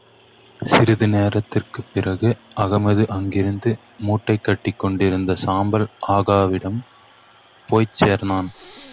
சிறிதுநேரத்திற்குப் பிறகு அகமது அங்கிருந்து, முட்டை கட்டிக் கொண்டிருந்த சாம்பல் ஆகாவிடம் போய்ச் சேர்ந்தான்.